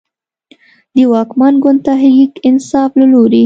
د واکمن ګوند تحریک انصاف له لورې